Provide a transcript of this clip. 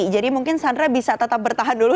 jadi mungkin sandra bisa tetap bertahan dulu